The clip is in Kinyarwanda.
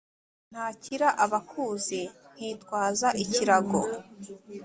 ntakira abakuzi, nkitwaza ikirago.